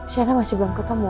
sienna masih belum ketemu